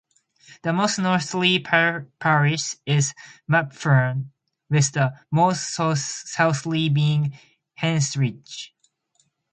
The most northerly parish is Mapperton with the most southerly being Henstridge.